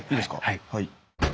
はい。